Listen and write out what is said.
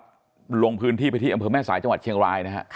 ลงพื้นที่ไปที่อำเภอแม่สายจังหวัดเชียงรายนะฮะ